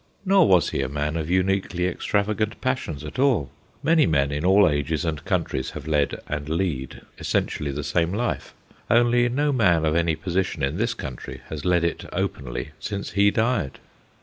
Nor was he a man of uniquely extravagant passions at all. Many men in all ages and countries have led and lead essentially the same life, only no man of any position in this country has led it openly since he died.